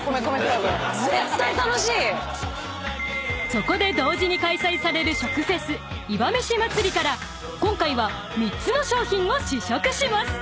［そこで同時に開催される食フェスいばめし祭りから今回は３つの商品を試食します］